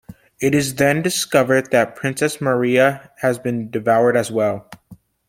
It is then discovered that Princess Maria has been devoured as well.